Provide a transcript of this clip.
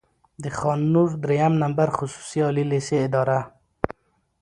د خان نور دريیم نمبر خصوصي عالي لېسې اداره،